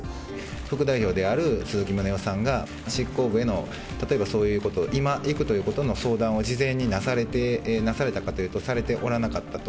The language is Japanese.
副代表である鈴木宗男さんが、執行部への、例えばそういうこと、今行くということの相談を、事前になされたかというと、されておらなかったと。